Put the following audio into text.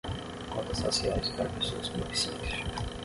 Cotas raciais e para pessoas com deficiência